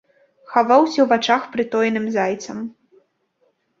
Хаваўся ў вачах прытоеным зайцам.